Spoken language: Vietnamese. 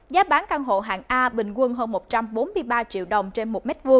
giá bán căn hộ hàng a bình quân hơn một trăm bốn mươi ba triệu đồng trên một m hai